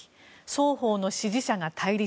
双方の支持者が対立。